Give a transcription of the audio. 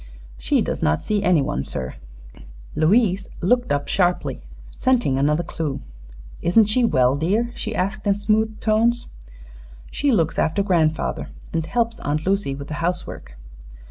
"She does not see anyone, sir." Louise looked up sharply, scenting another clue. "Isn't she well, dear?" she asked in smooth tones. "She looks after grandfather, and helps Aunt Lucy with the housework."